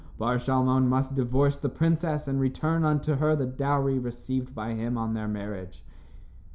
Bar Shalmon must divorce the princess and return unto her the dowry received by him on their marriage."